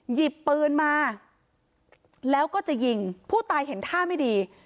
หยิบปืนมาแล้วก็จะยิงผู้ตายเห็นท่าไม่ดี